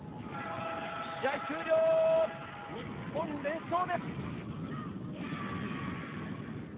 試合終了！日本連勝です！